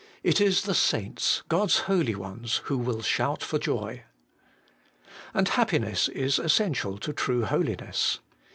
It is the saints, God's holy ones, who will shout for joy. And happiness is essential to true holiness.